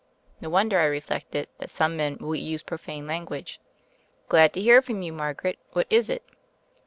(No wonder, I reflected, that some men will use profane lan guage.) "Glad to hear from you, Margaret, what is it?"